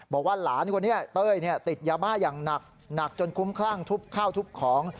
บอกว่าหลานคนนี้เต้ยติดยาบ้าอย่างหนักจนคุ้มคลั่งทุบข้าวทุบของ